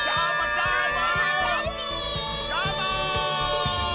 どーも！